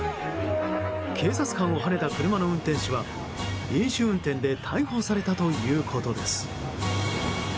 警察官をはねた車の運転手は飲酒運転で逮捕されたということです。